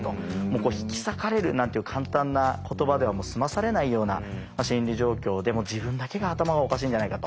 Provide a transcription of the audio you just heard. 「引き裂かれる」なんていう簡単な言葉では済まされないような心理状況で自分だけが頭がおかしいんじゃないかと。